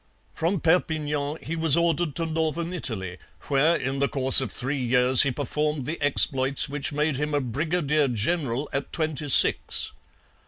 From Perpignan he was ordered to northern Italy, where in the course of three years he performed the exploits which made him a brigadier general at twenty six.